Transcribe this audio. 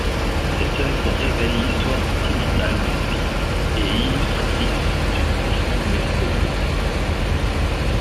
Cette œuvre révèle l'histoire sentimentale d'une vie et est illustratrice d'une profonde mélancolie.